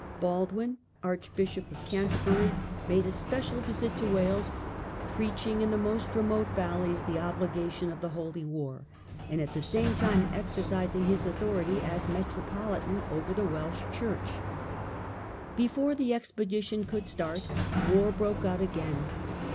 Baldwin, Archbishop of Canterbury, made a special (1178) c 34 THE LAST DAYS. visit to Wales, preaching ip the most remote valleys the obligation of the Holy War, and at the same time exer cising his authority as metropolitan over the Welsh church. Before the expedition could start, war broke out again.